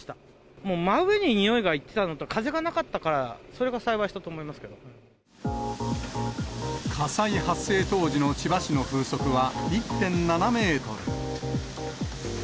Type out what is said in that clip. もう真上ににおいが行ってたのと、風がなかったから、それが幸いし火災発生当時の千葉市の風速は１．７メートル。